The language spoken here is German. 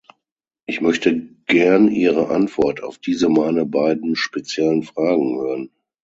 Ich möchte gern Ihre Antwort auf diese meine beiden speziellen Fragen hören.